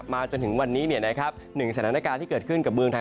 มาจนถึงวันนี้เนี้ยครับหนึ่งสารธักราชที่เกิดขึ้นกับเมืองไทย